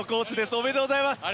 ありがとうございます。